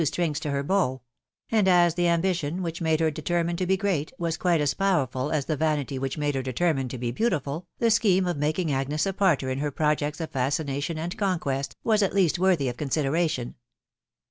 Q§5 strings to lier bow ; and as the ambition, wbieh made her de termine to be great, was quite as powerful as die vanity which made her determine to be beautiful, the scheme of making Agnes a partner in her projects of fascination and conquest was at least worthy of consideration.